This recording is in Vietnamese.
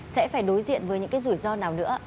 sẽ phải đối diện với những cái rủi ro nào nữa